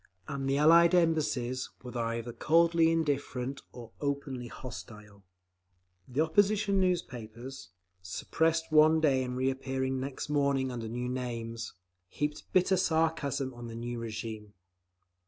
And the Allied Embassies were either coldly indifferent, or openly hostile…. The opposition newspapers, suppressed one day and reappearing next morning under new names, heaped bitter sarcasm on the new regime.